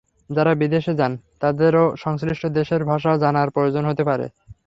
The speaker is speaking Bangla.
যাঁরা বিদেশে যান তাঁদেরও সংশ্লিষ্ট দেশের ভাষা জানার প্রয়োজন হতে পারে।